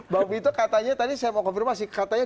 bang vito katanya tadi saya mau konfirmasi katanya